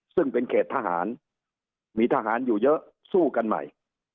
ซึ่งเป็นเขตทหารมีทหารอยู่เยอะสู้กันใหม่